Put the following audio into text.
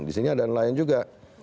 disini ada nelayan juga